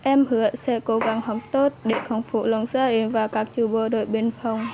em hứa sẽ cố gắng học tốt để khổng phủ lòng gia đình và các chủ bộ đội biên phòng